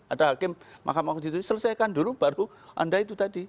ada hakim mahkamah konstitusi selesaikan dulu baru anda itu tadi